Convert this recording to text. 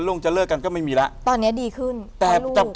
่งจะเลิกกันก็ไม่มีแล้วตอนนี้ดีขึ้นแต่จะ